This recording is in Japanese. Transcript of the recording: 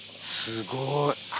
すごい。